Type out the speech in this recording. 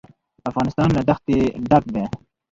افغانستان له دښتې ډک دی.